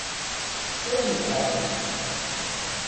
Kra n zzher!